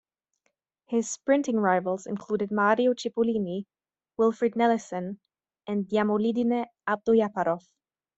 His sprinting rivals included Mario Cipollini, Wilfried Nelissen and Djamolidine Abdoujaparov.